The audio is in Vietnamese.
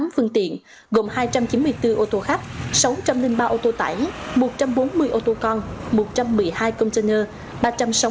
một năm trăm một mươi tám phương tiện gồm hai trăm chín mươi bốn ô tô khắp sáu trăm linh ba ô tô tải một trăm bốn mươi ô tô con một trăm một mươi hai container